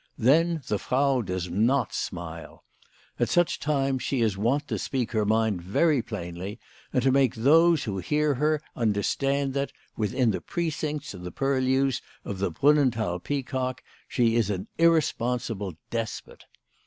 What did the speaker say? Then the Frau does not smile. At such times she is wont to speak her mind very plainly, and to make those who hear her understand that, within the precincts and purlieus of the Brunnenthal Peacock, she is an irre sponsible despot.